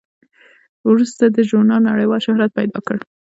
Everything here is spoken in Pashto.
وروسته دې ژورنال نړیوال شهرت پیدا کړ.